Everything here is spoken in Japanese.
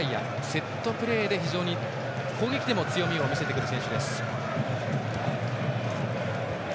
セットプレーで、非常に攻撃でも強みを見せてくる選手です。